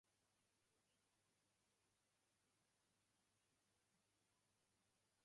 To monkey as a verb means to play around with or tamper with something.